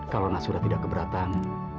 kalau mas surah tidak keberatan